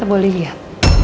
tante boleh lihat